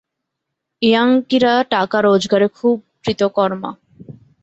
ইয়াঙ্কিরা টাকা রোজগারে খুব কৃতকর্মা।